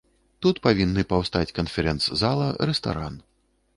Тут павінны паўстаць канферэнц-зала, рэстаран.